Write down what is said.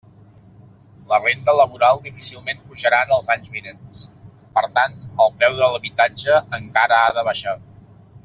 La renda laboral difícilment pujarà en els anys vinents; per tant, el preu de l'habitatge encara ha de baixar.